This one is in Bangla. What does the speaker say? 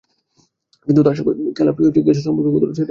কিন্তু তার সঙ্গে এলপি গ্যাসের সম্পর্ক কতটা, সেটি বলতে পারেন না।